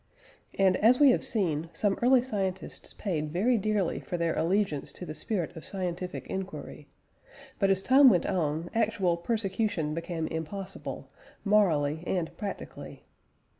And (as we have seen) some early scientists paid very dearly for their allegiance to the spirit of scientific enquiry; but as time went on, actual persecution became impossible, morally and practically.